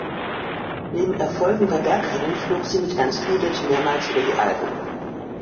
Neben Erfolgen bei Bergrennen flog sie mit Ernst Udet mehrmals über die Alpen.